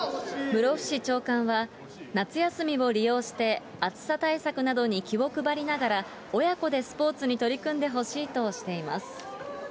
室伏長官は、夏休みを利用して、暑さ対策などに気を配りながら、親子でスポーツに取り組んでほしいとしています。